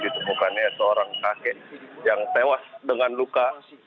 ini tempatnya seorang kakek yang tewas dengan luka